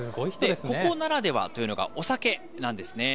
ここならではというのが、お酒なんですね。